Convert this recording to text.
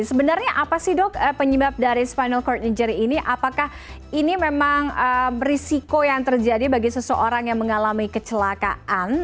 sebenarnya apa sih dok penyebab dari spinal cord injury ini apakah ini memang risiko yang terjadi bagi seseorang yang mengalami kecelakaan